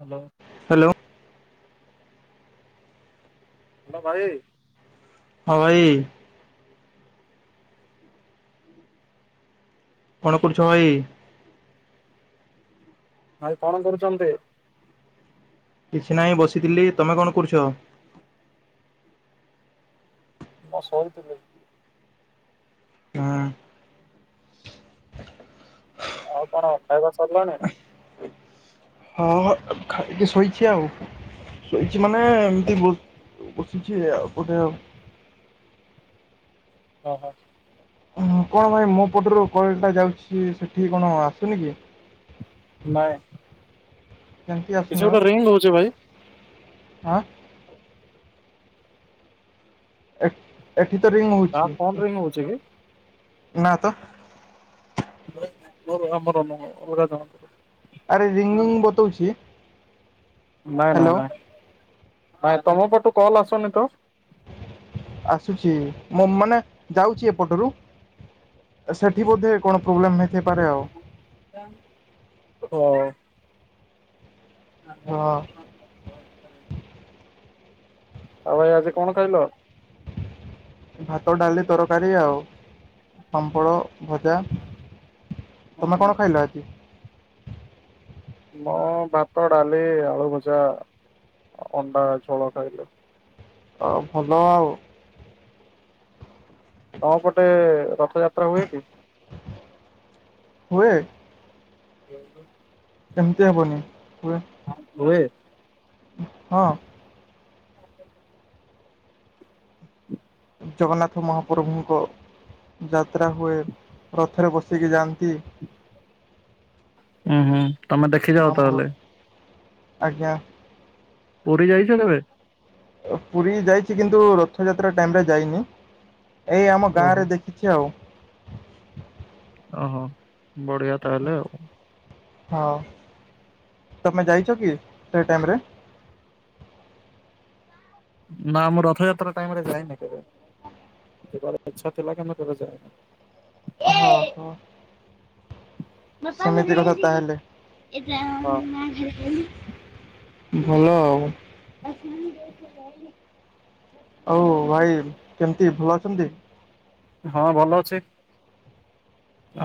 Hello. Hello. Hello ଭାଇ। ହଁ ଭାଇ। କଣ କରୁଛ ଭାଇ? ଭାଇ କଣ କରୁଛନ୍ତି? କିଛି ନାହିଁ ବସିଥିଲି। ତମେ କଣ କରୁଛ? ମୁଁ ଶୋଇଥିଲି। ହୁଁ। ଆଉ କଣ ଖାଇବା ସରିଲାଣି? ହଁହଁ ଖାଇକି ଶୋଇଛି ଆଉ। ଶୋଇଛି ମାନେ ଏମିତି ବସିଛି ଆଉ ଗୋଟେ। ଓ ହୋ। କଣ ଭାଇ ମୋ ପଟରୁ କଲଟା ଯାଉଛି ସେଠି କଣ ଆସୁନି କି? ନାଇଁ। କେମିତି କିଛି ଆସିଲ ଗୋଟେ ରିଙ୍ଗ ହଉଛି ଭାଇ ଆଁ। ଏଠି ତ ରିଙ୍ଗ କାହା ଫୋନ ହଉଛି। ରିଙ୍ଗ ହଉଛି କି? ନା ତ। ମୋ ଆମର ନ ଅଲଗା ଜଣକର। ଆରେ ରିଙ୍ଗିଙ୍ଗ ବତଉଛି। ନାଇଁ ନାଇଁ ହ୍ୟାଲୋ ନାଇଁ ନାଇଁ ତମ ପଟୁ କଲ୍ ଆସନି ତ। ଆସୁଛି ମୁଁ ମାନେ ଯାଉଛି ଏପଟରୁ। ସେଠି ବୋଧେ କଣ ପ୍ରୋବ୍ଲେମ୍ ହେଇଥାଇପାରେ ଆଉ। ହଁ। ହଁ। ଆଉ ଭାଇ ଆଜି କଣ ଖାଇଲ? ଭାତ, ଡାଲି, ତରକାରୀ ଆଉ ପାମ୍ପଡ ଭଜା। ତମେ କଣ ଖାଇଲ? ମୁଁ ଭାତ, ଡାଲି, ଆଳୁ ଭଜା, ଅଣ୍ଡା ଝୋଳ ଖାଇଲି। ଅ ଭଲ ଆଉ। ତମ ପଟେ ରଥଯାତ୍ରା ହୁଏ କି? ହୁଏ। [unintelligible] ଏମିତି ହେବନି ହୁଏ। ହଁ ହୁଏ। ହଁ। ହୁଁ ଜଗନ୍ନାଥ ମହାପ୍ରଭୁଙ୍କ ଯାତ୍ରା ହୁଏ। ରଥରେ ବସିକି ଯାଆନ୍ତି। ହୁଁ ହୁଁ। ତମେ ଦେଖି ଯାଅ ମାମୁଁ ଘର ତାହେଲେ ଆଜ୍ଞା। ପୁରୀ ଯାଇଛ କେବେ। ପୁରୀ ଯାଇଛି କିନ୍ତୁ ରଥଯାତ୍ରା ଟାଇମ ରେ ଯାଇନି ଏଇ ଆମ ଓହୋ ଗାଁ ରେ ଦେଖ ଖିଛି ଆଉ। ଓହୋ ବଢିଆ ତାହେଲେ ଆଉ। ହଁ ତମେ ଯାଇଛ କି ସେ ଟାଇମରେ। ନା ଆମର ରଥଯାତ୍ରା ଟାଇମ୍ ରେ ଯାଇନି କେବେ ଯିବାର ଇଚ୍ଛା ଥିଲା କିନ୍ତୁ କେବେ ଯାଇନି। ଓ ହୋ। ସେମିତି କଥା ତା ହେଲେ। ହଁ। ଭଲ ଆଉ। ଆଉ ଭାଇ କେମିତି ଭଲ ଅଛନ୍ତି। ହଁ ଭଲ ଅଛି।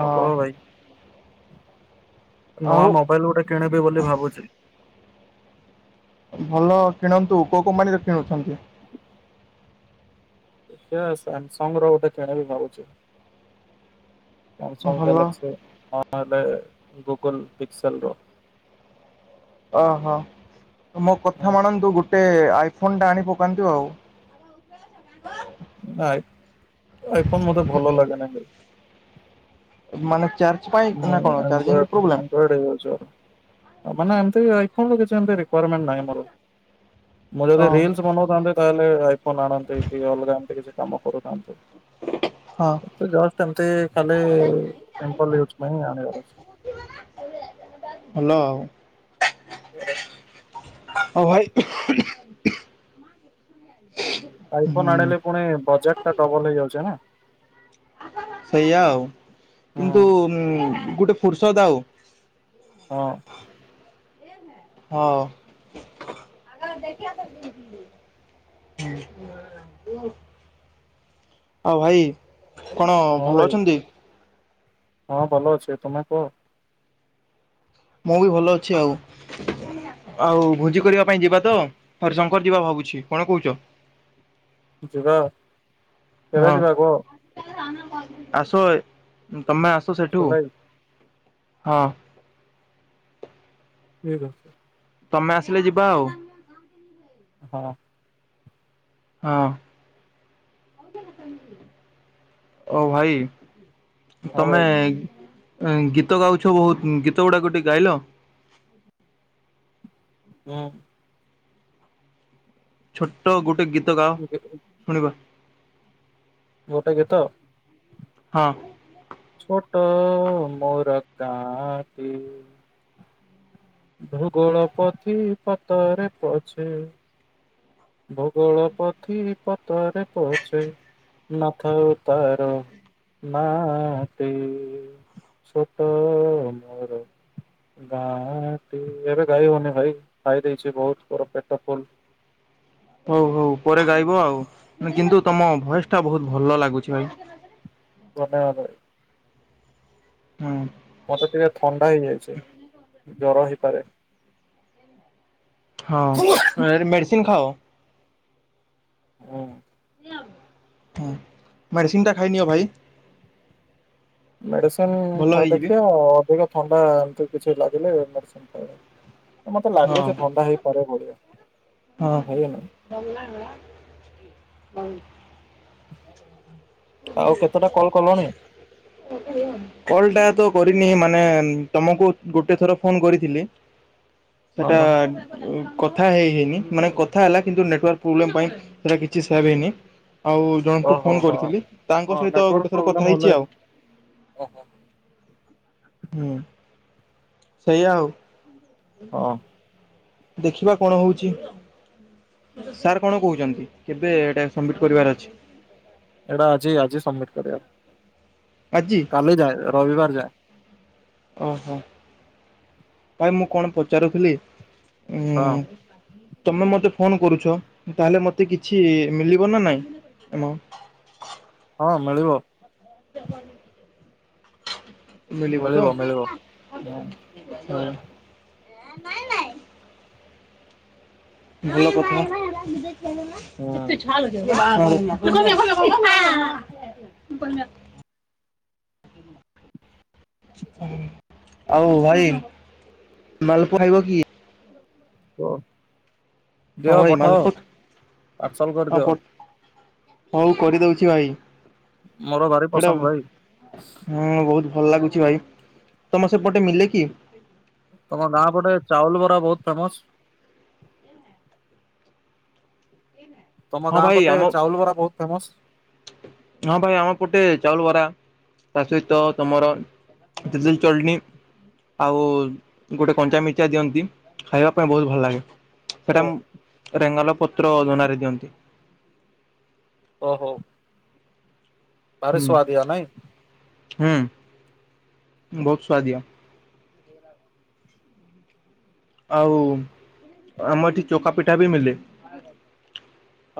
ଆଉ କହ ଭାଇ‌। ନୂଆ ଆଉ ମୋବାଇଲ ଗୋଟେ କିଣିବି ବୋଲି ଭାବୁଛି। ଭଲ କିଣନ୍ତୁ କୋଉ କମ୍ପାନୀର କିଣୁଛନ୍ତି। ଦେଖିବା ସାମସଙ୍ଗ୍ ର ଗୋଟେ କିଣବି ଭାବୁଚି। ସାମସଙ୍ଗ୍ ଭଲ ଗ୍ୟାଲେକ୍ସି ନହେଲେ ଗୁଗଲ ପିକ୍ସସେଲ ର। ଓହୋ ମୋ କଥା ମାନନ୍ତୁ ଗୋଟେ ଆଇଫୋନ ଟା ଆଣି ପକାନ୍ତୁ ଆଉ। ନାଇ ଆଇଫୋନ୍ ମତେ ଭଲ ଲାଗେ ନାହିଁ। ମାନେ ଚାର୍ଜ ପାଇ ମୁଁ ନା କଣ ଆଣ୍ଡ୍ରଏଡ ଚାର୍ଜିଂରେ ପ୍ରୋବ୍ଲେମ୍। ଆଣ୍ଡ୍ରଏଡ ୟୁଜର ମାନେ ଏମତି ଆଇ ଫୋନ ର କିଛି ଏମତି ରିକୁଆରମେଣ୍ଟ୍ ନାହିଁ ମୋର। ମୁଁ ଯଦି ଓହୋ ରିଲସ୍ ବନଉଥାନ୍ନ୍ତି ତାହେଲେ ଆଇଫୋନ୍ ଆଣନ୍ତି କି ଅଲଗା ଏମତି କିଛି କାମ କରୁଥାନ୍ତି। ହଁ। ସେ ଜଷ୍ଟ୍ ଏମତି ଖାଲି ସିମ୍ପଲ ଇୟୁଯୁ ପାଇଁ ଆଣିବାର ଅଛି। ହା ଲୋ। [inaudible] ହଁ ଭାଇ। ଆଇଫୋନ୍ ହୁଁ ଆଣିଲେ ପୁଣି ବଜେଟ୍ ଟା ଡବଲ ହେଇଯାଉଛି ନା। ସେଇଆା ଆଉ ହଁ କିନ୍ତୁ ଗୋଟେ ଫୁର୍ସଦ୍ ଆଉ‌। ହଁ। ହଁ। ଆଗ ଦେଖିଆସୁଚି ହୁଁ ଆଉ ଭାଇ କଣ ହଁ ଭଲ ଭାଇ ଅଛନ୍ତି। ହଁ ଭଲ ଅଛି ତୁମେ କୁହ। ମୁଁ ବି ଭଲ ଅଛି ଆଉ। ଆଉ ଭୋଜି କରିବା ପାଇଁ ଯିବା ତ ହରିଶଙ୍କର ଯିବା ଭାବୁଛି କଣ କହୁଛ। ଜିବା। ହଁ ଆସ ଏ ତମେ ଆସ। ତ ସେଠୁ ଜୁଲାଇ ହଁ। ଠିକ୍ ଅଛି। ତମେ ଆସିଲେ ଯିବା ଆଉ। ହଁ। ହଁ ଓ ଭାଇ। ହଁ ତମେ ଭାଇ ଏଁ ଗୀତ ଗାଉଛ ବହୁତ ଗୀତ ଗୁଡାକ ଗୋଟେ ଗାଇଲ। ମୁଁ। ଛୋଟ ଗୋଟେ ଗୀତ ଗାଅ ଶୁଣିବା। ଗୋଟେ ଗିତ। ହଁ। ଛୋଟ ମୋର ଗାଁ ଟି। ଭୂଗୋଳ ପୋଥି ପତରେ ପଛେ। ଭୂଗୋଳ ପୋଥି ପତ ରେ ପଛେ ନ ଥାଉ ତା ର ନାଁ ଟି ଛୋଟ ମୋର ଗାଁ ଟି ଏବେ ଗାଇ ହବନି ଭାଇ ଖାଇ ଦେଇଛି ବହୁତ୍ ମୋର ପେଟ ଫୁଲ ହଉ ହଉ ପରେ ଗାଇବ ଆଉ କିନ୍ତୁ ତମ ଭଏସ୍ ଟା ବହୁତ ଭଲ ଲାଗୁଛି ଭାଇ ଧନ୍ୟବାଦ ଭାଇ। ହଁ। ମତେ ଟିକେ ଥଣ୍ଡା ହେଇଯାଇଛି ଜର ହେଇପାରେ ହଁ ମେଡ଼ିସିନ ଖାଅ। ହଁ। ହଁ ମେଡ଼ିସିନ୍ ଟା ଖାଇନିଅ ଭାଇ ମେଡ଼ିସିନ ଭଲ ଥାଉ ହେଇଯିବେ। ଦେଖିବା ଅଧିକ ଥଣ୍ଡା ଏମତି କିଛି ଲାଗିଲେ ମେଡ଼ିସିନ୍ ଖାଇବା ମତେ ହଁ ଲାଗୁଛି ଥଣ୍ଡା ହେଇପାରେ ବଢିଆ ହଁ। [unintelligible] ଆଉ କେତେଟା କଲ୍ କଲଣି? କଲ ଟା ତ କରିନି ମାନେ ତମକୁ ଗୋଟେ ଥର ଫୋନ କରିଥିଲି ସେଟା ହଁ କଥା ହେଇ ହେଇନି ମାନେ କଥା ହେଲା କିନ୍ତୁ ନେଟାର୍ ପ୍ରୋବ୍ଲେମ ପାଇଁ ସେଟା କିଛି ସେଭ୍ ହେଇନି ଆଉ ଜଣଙ୍କୁ ଓହୋ ଫୋନ ହଁ କରିଥିଲି ହଁ ତାଙ୍କ ସହିତ ନେଟୱାର୍କ ଗୋଟେ ଥର ପ୍ରୋବ୍ଲେମ କଥା ହେଲେ ହେଇଛି ଆଉ ଓହୋ ହୁଁ ସେଇୟା ଆଉ ହଁ। ଦେଖିବା କଣ ହଉଛି ସାର୍ କଣ କହୁଛନ୍ତି କେବେ ଏଟା ସମ୍ଵିଟ୍ ପରିବାର ଅଛି? ଏଇଟା ଆଜି ଆଜି ସବମିଟ୍ କରିବା ଆଜି? କାଲି ଯାଏ ରବିବାର ଯାଏ ଓହୋ। ଭାଇ ମୁଁ କଣ ପଚାରୁଥିଲି? ଉଁ ହଁ। ତମେ ମତେ ଫୋନ କରୁଛ ତାହେଲେ ମତେ କିଛି ମିଳିବ ନା ନାଇଁ ଏମାଓନ୍ଟ ହଁ ମିଳିବ। ମିଳିବ ତ? ଆ ହୁଁ [unintelligible] ଭଲ କଥା ହୁଁ [unintelligible] [unintelligible] ସେ [unintelligible] ଆଉ ଭାଇ ମାଲପୁଆ ଖାଇବ କି? ହ ହଁ ଦିଅ ଭାଇ ପଠାଅ ମାଲପୁଆ ପାର୍ସଲ ହଁ ପ କରିଦିଅ ହଉ କରିଦଉଛି ଭାଇ ମୋର ଭାରି ଏଇଟା ପସନ୍ଦ ଭାଇ ହୁଁ ବହୁତ ଭଲ ଲାଗୁଛି ଭାଇ ତମ ସେପଟେ ମିଲେ କି? ତମ ଗାଁ ପଟେ ଚାଉଲ ବରା ବହୁତ ଫେମସ ତମ ହଁ ଗାଁ ଭାଇ ପଟେ ଆମ ଚାଉଲ ବରା ବହୁତ ଫେମସ ହଁ ଭାଇ ଆମର ପଟେ ଚାଉଲ ବରା ତା ସହିତ ତମର [unintelligible] କିଛିଦିନ ଚଲଣି [unintelligible] ଆଉ ଗୋଟେ କଞ୍ଚା ମିର୍ଚା ଦିଅନ୍ତି ଖାଇବା ପାଇଁ ବହୁତ ଭଲ ଲାଗେ ଓ ସେଟା ରେଙ୍ଗାଲ ପତ୍ର ଦନାରେ ଦିଅନ୍ତି ଓହୋ। ଭାରି ସୁଆଦିଆ ନାଇଁ ହଁ ହୁଁ ବହୁତ ସୁଆଦିଆ ଆଉ ଆମ ଏଠି ଚକାପିଠା ବି ମିଲେ।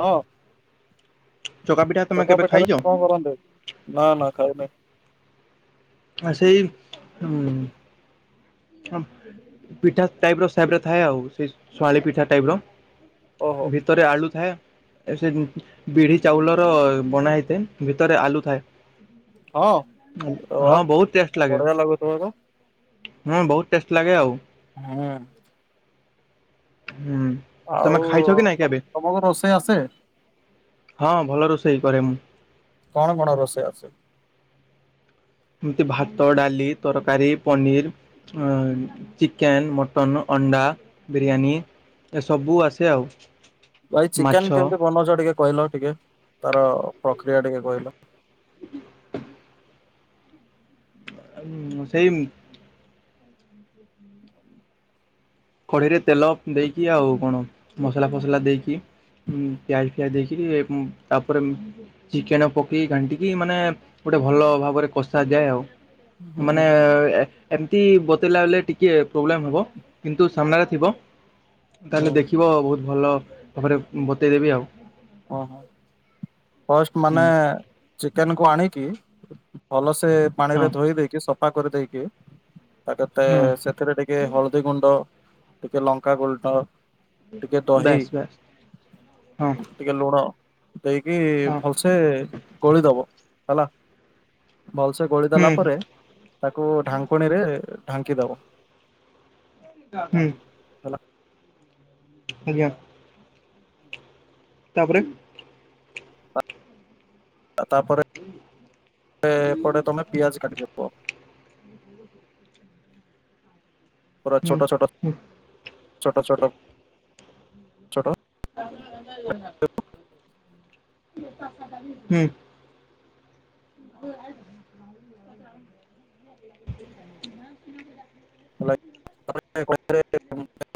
ହଁ। ଚକା ପିଠା ତମେ ଚକା କେବେ ପିଠାରେ ଖାଇଛ? କଣ କରନ୍ତେ? ହଁ ହଁ [unintelligible] ଆ ସେଇ ଉଁ ହ ପିଠା ଟାଇପ ର ସେବରେ ଥାଏ ଆଉ ସେଇ ଶଳି ପିଠା ଟାଇପ ର। ଓହୋ ଭିତରେ ଆଳୁ ଥାଏ। ସେ ବିଢି ଚାଉଳର ବନା ହେଇଥାଏ ଭିତରେ ଆଲୁ ଥାଏ। ହଁ ର ହଁ ବହୁତ ବଢିଆ ଲାଗୁଥିବ ତ। ହଁ ବହୁତ ଟେଷ୍ଟ ଲାଗେ ଆଉ। ହୁଁ। ହୁଁ। ତମେ ଆଉ ଖାଇଛ କି ନାଇଁ କେବେ? ତମକୁ ରୋଷେଇ ଆସେ? ହଁ ଭଲ ରୋଷେଇ କରେ ମୁଁ। କଣ କଣ ରୋଷେଇ ଆସେ? ଏମିତି ଭାତ ଡାଲି ତରକାରୀ ପନିର। ହଁ ଚିକେନ ମଟନ ଅଣ୍ଡା ବିରିୟାନୀ। ସବୁ ଆସେ ଆଉ। ଭାଇ ମାଛ ଚିକେନ କେମିତି ବନଉଛ ଟିକେ କହିଲ ଟିକେ ତାର ପ୍ରକ୍ରିୟା ଟିକେ କହିଲ? [inaudible] ହୁଁ ସେଇ [inaudible] କଢେଇରେ ତେଲ ଦେଇକି ଆଉ କଣ ମସଲା ଫସଲା ଦେଇକି ପିଆଜ ପିଆଜ ଦେଇକିରି ତାପରେ ଚିକେନ ପକେଇ ଘାଣ୍ଟିକି ମାନେ ଗୋଟେ ଭଲ ଭାବରେ କଷା ଯାଏ ଆଉ। ହୁଁ ମାନେ ଏମିତି ବତେଇଲା ବଲେ ଟିକେ ପ୍ରୋବ୍ଲେମ୍ ହେବ। କିନ୍ତୁ ସାମ୍ନାରେ ଥିବ ହୁଁ ତାହେଲେ ଦେଖିବ ବହୁତ ଭଲ ଭାବରେ ବତେଇଦେବି ଆଉ। ଓହୋ ପଷ୍ଟ ମାନେ ହୁଁ ଚିକେନ କୁ ଆଣିକି ଭଲସେ ପାଣି ହଁ ରେ ଧୋଇ ଦେଇକି ସଫା କରିଦେଇକି ଆ ତତେ ହଁ ସେଥିରେ ଟିକେ ହଳଦୀ ଗୁଣ୍ଡ ଟିକେ ଲଙ୍କା ଗୁଲଣ୍ଡ ବେଶ ବେଶ ହଁ। ଟିକେ ଲୁଣ ଦେଇକି ହଁ ଭଲସେ ଗୋଳେଇଦବ ହେଲା। ଭଲସେ ଗୋଳେଇଦେଲା ହୁଁ ପରେ ତାକୁ ଢାଙ୍କୁଣୀରେ ଢାଙ୍କି ଦବ। ହୁଁ। ହେଲା ଆଜ୍ଞା। ତାପରେ ଆ ତାପରେ ଏପଟେ ତମେ ପିଆଜ କାଟିଦବ। [inaudible] ପୁରା ହୁଁ ଛୋଟ ଛୋଟ ହୁଁ ଛୋଟ ଛୋଟ ଛୋଟ [unintelligible] ହୁଁ। [inaudible] [inaudible]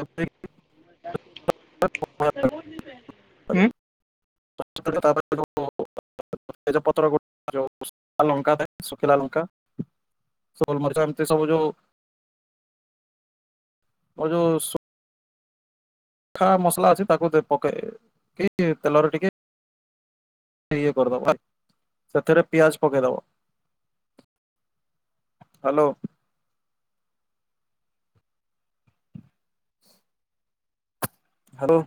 [inaudible] [inaudible] ତେଜପତ୍ର ଗ ଲଙ୍କା ଥାଏ ଶୁଖିଲା ଲଙ୍କା ସୋଲ ମଛ ଏମତି ସବୁ ଯୋଉ ମୁଁ ଯଉ ଖା ମସଲା ଅଛି ତାକୁ ପକେଇ କି ତେଲରେ ଟିକେ ଇଏ କରିଦବ ସେଥିରେ ପିଆଜ ପକେଇଦବ। ହାଲୋ। ହାଲୋ।